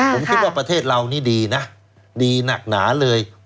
ผมคิดว่าประเทศเรานี่ดีนะดีหนักหนาเลย